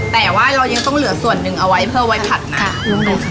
แต่ว่ายังต้องเหลือส่วนนึงอาวิเคราะห์ไว้ผัดมั้ย